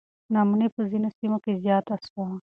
نا امني په ځینو سیمو کې زیاته سوه.